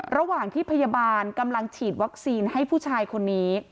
ระหว่างที่พยาบาลกำลังฉีดวัคซีนให้ผู้ชายคนนี้